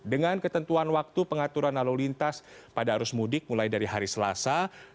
dengan ketentuan waktu pengaturan lalu lintas pada arus mudik mulai dari hari selasa